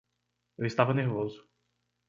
Eu estava nervoso.